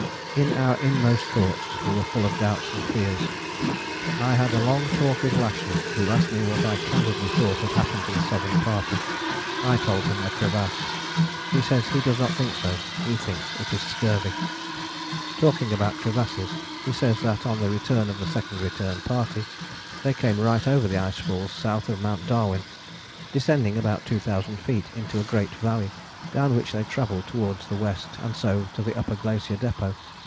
In our inmost thoughts we were full of doubts and fears. "I had a long talk with Lashly, who asked me what I candidly thought had happened to the Southern Party. I told him a crevasse. He says he does not think so: he thinks it is scurvy. Talking about crevasses he says that, on the return of the Second Return Party, they came right over the ice falls south of Mount Darwin, descending about 2000 feet into a great valley, down which they travelled towards the west, and so to the Upper Glacier Depôt.